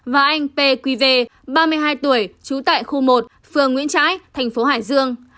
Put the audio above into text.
và anh pqv ba mươi hai tuổi trú tại khu một phường nguyễn trãi thành phố hải dương